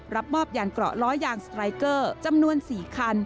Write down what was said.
รับมอบยานเกราะล้อยางสไตรเกอร์จำนวน๔คัน